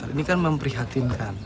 ini kan memprihatinkan